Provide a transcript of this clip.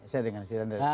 saya dengan gus tiranda